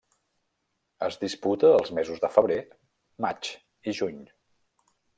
Es disputa els mesos de febrer, maig i juny.